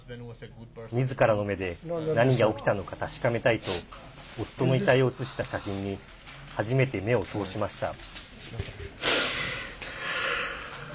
みずからの目で何が起きたのか確かめたいと夫の遺体を写した写真に初めて目を通しました。